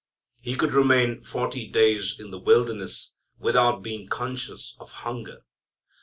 He could remain forty days in the wilderness without being conscious of hunger.